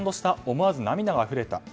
思わず涙があふれた。